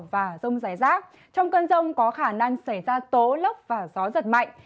và rông rải rác trong cơn rông có khả năng xảy ra tố lốc và gió giật mạnh